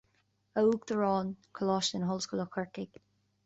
A Uachtaráin Coláiste na hOllscoile Corcaigh